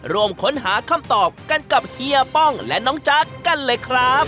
ร่วมค้นหาคำตอบกันกับเฮียป้องและน้องจ๊ะกันเลยครับ